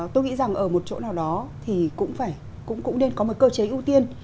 tôi nghĩ rằng ở một chỗ nào đó thì cũng phải cũng nên có một cơ chế ưu tiên